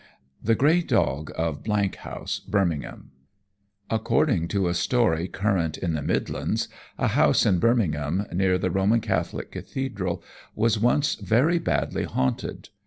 The Grey Dog of House, Birmingham According to a story current in the Midlands, a house in Birmingham, near the Roman Catholic Cathedral, was once very badly haunted.